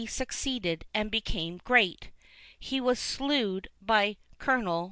succeeded and became great. He was slewed by Col.